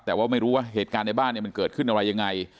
แต่ว่าไม่รู้ว่าเหตุการณ์ในบ้านมันเกิดขึ้นอะไรยังไง